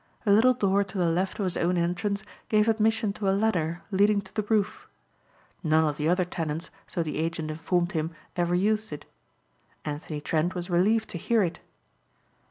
A little door to the left of his own entrance gave admission to a ladder leading to the roof. None of the other tenants, so the agent informed him, ever used it. Anthony Trent was relieved to hear it.